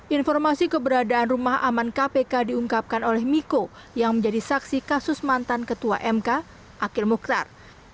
informasi keberadaan rumah aman kpk diungkapkan oleh miko yang menjadi saksi kasus mantan ketua mk akil mukhtar